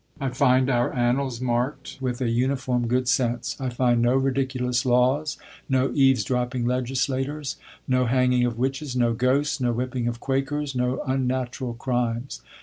I find our annals marked with a uniform good sense. I find no ridiculous laws, no eavesdropping legislators, no hanging of witches, no ghosts, no whipping of Quakers, no unnatural crimes.